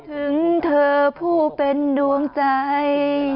ถึงเธอผู้เป็นดวงใจ